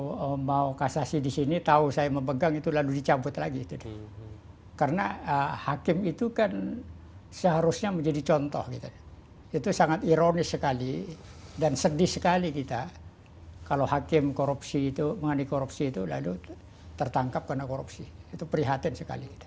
kalau mau kasasi disini tahu saya memegang itu lalu dicabut lagi itu karena hakim itu kan seharusnya menjadi contoh itu sangat ironis sekali dan sedih sekali kita kalau hakim korupsi itu mengandung korupsi itu lalu tertangkap karena korupsi itu prihatin sekali